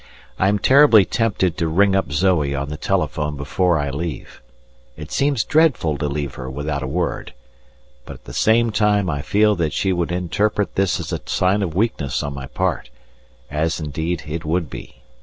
I am terribly tempted to ring up Zoe on the telephone before I leave: it seems dreadful to leave her without a word; but at the same time I feel that she would interpret this as a sign of weakness on my part as indeed it would be.